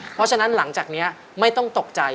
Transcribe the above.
เพราะฉะนั้นหลังจากนี้ไม่ต้องตกใจ